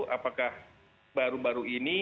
apakah baru baru ini